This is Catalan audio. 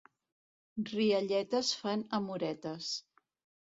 Rialletes fan amoretes.